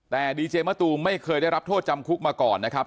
แต่ดีเจมะตูมไม่เคยได้รับโทษจำคุกมาก่อนนะครับ